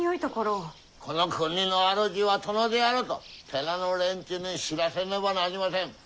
この国の主は殿であると寺の連中に知らひめねばなりません。